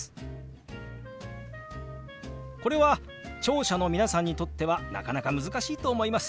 これは聴者の皆さんにとってはなかなか難しいと思います。